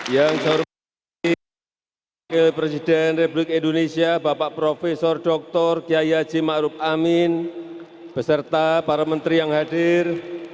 yang saya hormati presiden republik indonesia bapak prof dr giyaji ma'ruf amin beserta para menteri yang hadir